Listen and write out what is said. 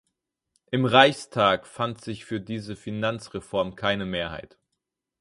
Im Reichstag fand sich für diese Finanzreform keine Mehrheit.